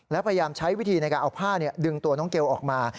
และพยายามใช้วิธีในการเอาผ้าดึงตัวน้องเกลออกมา